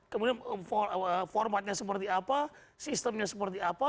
kemudian formatnya seperti apa sistemnya seperti apa